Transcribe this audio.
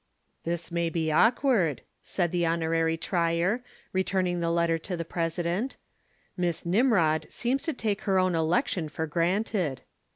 "This may be awkward," said the Honorary Trier, returning the letter to the President. "Miss Nimrod seems to take her own election for granted."